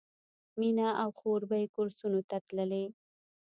مینه او خور به یې کورسونو ته تللې